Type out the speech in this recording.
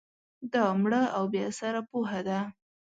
دا مړه او بې اثره پوهه ده